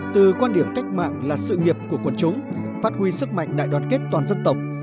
từ quan điểm cách mạng là sự nghiệp của quần chúng phát huy sức mạnh đại đoàn kết toàn dân tộc